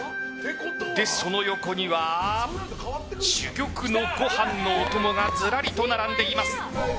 その横には珠玉のご飯のお供がずらりと並んでいます。